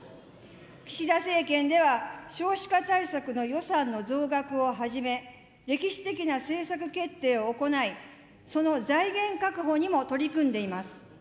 岸田政権では少子化対策の予算の増額をはじめ、歴史的な政策決定を行い、その財源確保にも取り組んでいます。